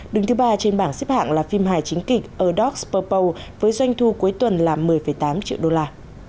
đường thứ ba trên bảng xếp hạng là phim hài chính kịch a dog s purple với doanh thu cuối tuần là một mươi tám triệu đô la